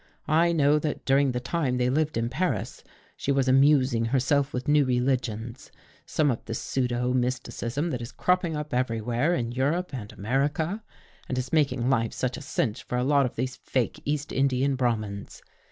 I know that during the time they lived in Paris, she was amusing herself with new religions — some of the psuedo mysticism that is cropping up everywhere in Europe and America and is making life such a cinch for a lot of these fake East Indian Brahmins.